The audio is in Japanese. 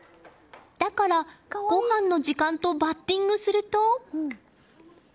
だから、ごはんの時間とバッティングすると。